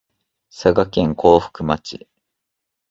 佐賀県江北町